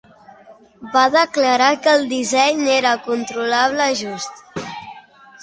Va declarar que el disseny era controlable-just.